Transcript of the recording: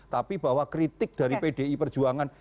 tapi bahwa kritik dari pdi perjuangan